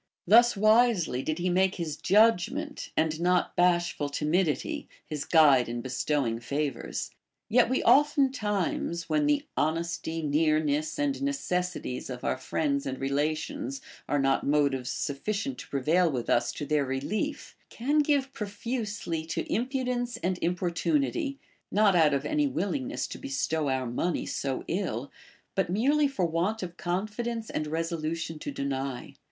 Thus Avisely did he make his judg ment, and not bashful timidity, his guide in bestowing favors. Yet we oftentimes, when the honesty, nearness, and neces sities of our friends and relations are not motives sufficient to prevail Avith us to their relief, can give profusely to im pudence and importunity, not out of any willingness to bestow our money so ill, but merely for want of confidence and resolution to deny.